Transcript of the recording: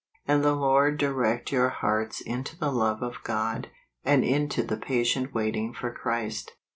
" And the Lord direct your hearts into the love of God , and into the patient waiting for Christ